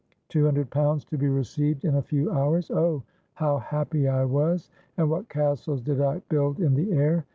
Two hundred pounds to be received in a few hours! Oh! how happy I was!—and what castles did I build in the air!